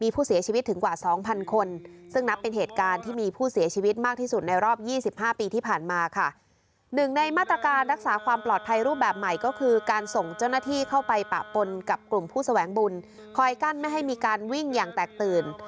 ผู้แสวงบุญคอยกั้นไม่ให้มีการวิ่งอย่างแตกตื่น